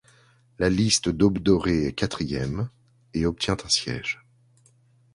La liste d'Aube dorée est quatrième et obtient un siège.